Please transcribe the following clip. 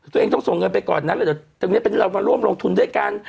ตัวเองต้องส่งเงินไปก่อนนะแล้วเดี๋ยวตรงนี้เรามาร่วมลงทุนด้วยกัน